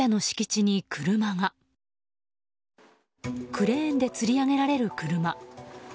クレーンでつり上げられる車。